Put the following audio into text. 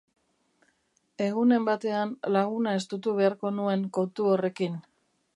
Egunen batean laguna estutu beharko nuen kontu horrekin.